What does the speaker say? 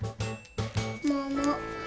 もも。